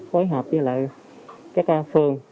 phối hợp với các phường